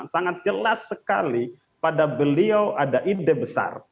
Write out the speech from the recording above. sangat jelas sekali pada beliau ada ide besar